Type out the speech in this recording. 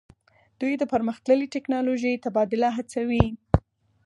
دوی د پرمختللې ټیکنالوژۍ تبادله هڅوي